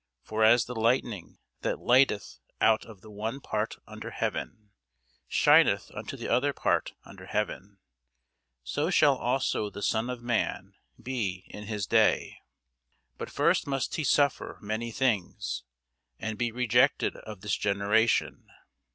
For as the lightning, that lighteneth out of the one part under heaven, shineth unto the other part under heaven; so shall also the Son of man be in his day. But first must he suffer many things, and be rejected of this generation.